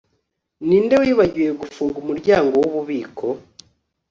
ninde wibagiwe gufunga umuryango wububiko